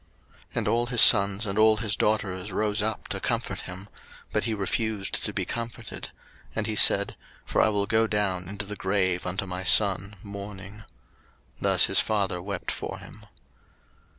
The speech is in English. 01:037:035 And all his sons and all his daughters rose up to comfort him; but he refused to be comforted; and he said, For I will go down into the grave unto my son mourning. Thus his father wept for him.